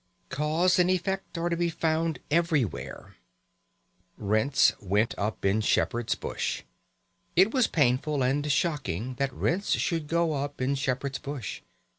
Cause and effect are to be found everywhere. Rents went up in Shepherd's Bush. It was painful and shocking that rents should go up in Shepherd's Bush.